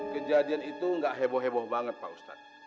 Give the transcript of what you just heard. kejadian itu nggak heboh heboh banget pak ustadz